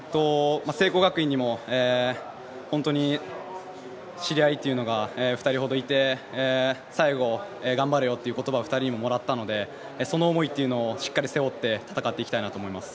聖光学院にも知り合いというのが２人ほどいて最後、頑張れよという言葉を２人にももらったのでその思いをしっかり背負って戦っていきたいなと思います。